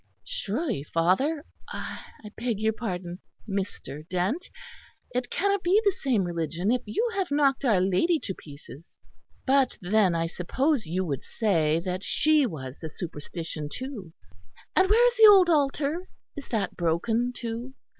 Surely, father I beg your pardon, Mr. Dent it cannot be the same religion if you have knocked Our Lady to pieces. But then I suppose you would say that she was a superstition, too. And where is the old altar? Is that broken, too?